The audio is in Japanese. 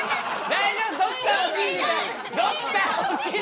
大丈夫！